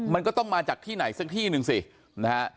มันก็ต้องมาจากที่ไหนสักที่หนึ่งสินะฮะ